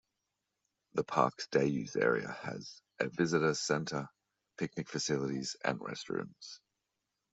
The park's day-use area has a visitor center, picnic facilities, and restrooms.